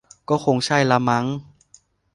ก็คงใช่ละมั้ง